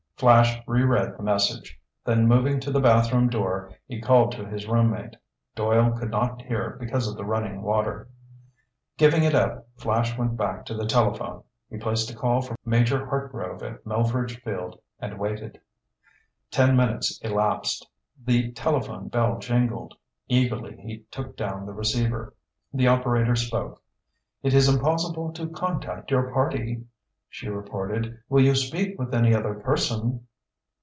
Flash re read the message. Then, moving to the bathroom door he called to his roommate. Doyle could not hear because of the running water. Giving it up, Flash went back to the telephone. He placed a call for Major Hartgrove at Melveredge Field, and waited. Ten minutes elapsed. The telephone bell jingled. Eagerly he took down the receiver. The operator spoke. "It is impossible to contact your party," she reported. "Will you speak with any other person?"